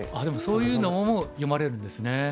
でもそういうのも読まれるんですね。